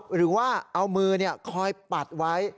หรือว่าเอามือคอยปัดไว้